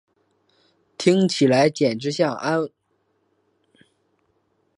听起来简直像在安慰自己